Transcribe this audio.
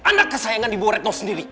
anak kesayangan di bu redno sendiri